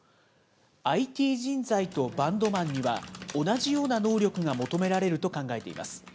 ＩＴ人材とバンドマンには、同じような能力が求められると考えています。